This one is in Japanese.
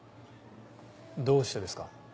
どうしてですか？